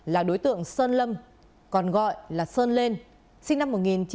là đối tượng sơn lâm còn gọi là sơn lên sinh năm một nghìn chín trăm bảy mươi ba